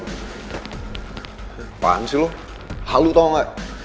kalo gue gak ada yang cocok halu tau gak